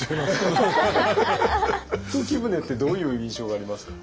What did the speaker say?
時宗ってどういう印象がありますか？